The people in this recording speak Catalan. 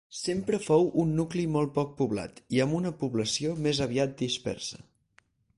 Sempre fou un nucli molt poc poblat i amb una població més aviat dispersa.